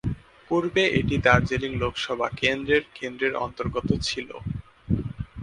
পূর্বে এটি দার্জিলিং লোকসভা কেন্দ্রের কেন্দ্রের অন্তর্গত ছিলো।